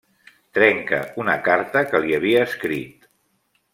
Trenca una carta que li havia escrit.